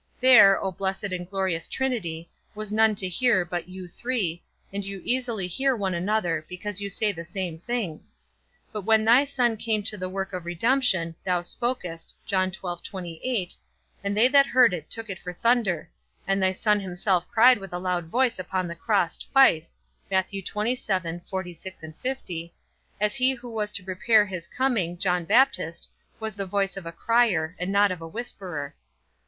There, O blessed and glorious Trinity, was none to hear but you three, and you easily hear one another, because you say the same things. But when thy Son came to the work of redemption, thou spokest, and they that heard it took it for thunder; and thy Son himself cried with a loud voice upon the cross twice, as he who was to prepare his coming, John Baptist, was the voice of a crier, and not of a whisperer.